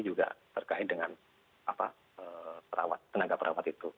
juga terkait dengan tenaga perawat itu